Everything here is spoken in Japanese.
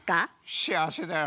幸せだよ。